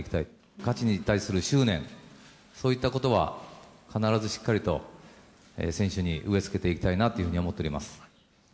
勝ちに対する執念、そういったことは必ずしっかりと選手に植え付けていきたいなというふうに思っております。